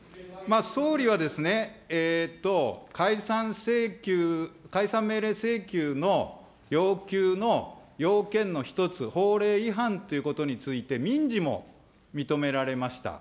総理は解散請求、解散命令請求の要求の要件の一つ、法令違反ということについて、民事も認められました。